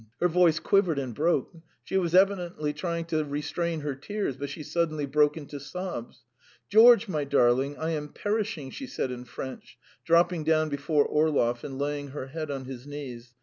Her voice quivered and broke; she was evidently trying to restrain her tears, but she suddenly broke into sobs. "George, my darling, I am perishing!" she said in French, dropping down before Orlov, and laying her head on his knees.